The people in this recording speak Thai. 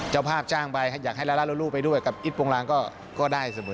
เจ้าภาพจ้างไปอยากให้ลาล่าลูลูไปด้วยกับอิตโปรงลางก็ได้เสมอ